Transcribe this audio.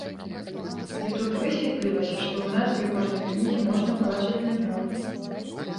І тут высветлілася, што ў назве кожнай кнігі можна ўбачыць намёк.